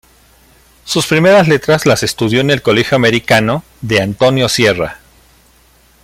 Sus primeras letras las estudió en el colegio Americano, de Antonio Sierra.